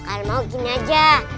kalau mau gini aja